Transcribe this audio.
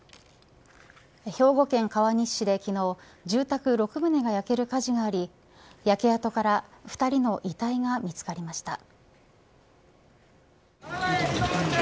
兵庫県川西市で昨日住宅６棟が焼ける火事があり焼け跡から２人の遺体が見つかりました。